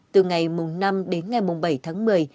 từ ngày mùng năm đến ngày mùng bảy tháng một mươi